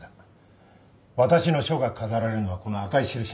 私の書が飾られるのはこの赤い印の付いたところ。